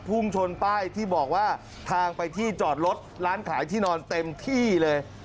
พุ่งชนป้ายที่บอกว่าทางไปที่จอดรถร้านขายที่นอนเต็มที่เลย